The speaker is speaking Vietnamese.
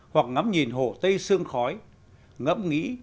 hoặc ngắm nhìn hồ tây sương khói